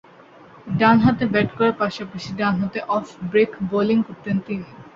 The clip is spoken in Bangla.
ডানহাতে ব্যাট করার পাশাপাশি ডানহাতে অফ ব্রেক বোলিং করতেন তিনি।